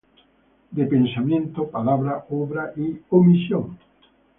de pensamiento, palabra, obra y omisión: